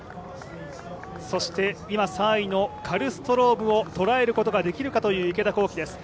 そして今３位のカルストロームを捉えることができるかという池田向希です。